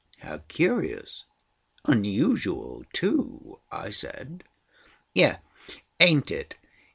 "How curious. Unusual, too!" I said. "Yes; ain't it?